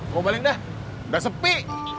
kau balik dah udah sepi